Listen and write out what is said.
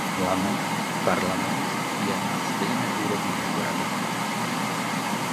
Parlament je na stejné úrovni jako Rada.